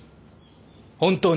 本当に？